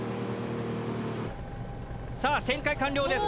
さあ旋回完了です。